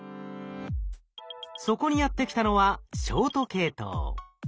そこにやって来たのはショート系統。